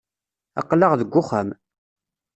Aql-aɣ deg uxxam.